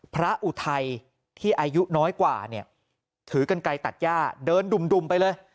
อุทัยที่อายุน้อยกว่าเนี่ยถือกันไกลตัดย่าเดินดุ่มไปเลย